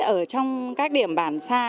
ở trong các điểm bản xa